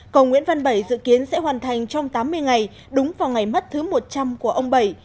cầu nguyễn văn bảy dự kiến sẽ hoàn thành trong tám mươi ngày đúng vào ngày mất thứ một trăm linh của ông bảy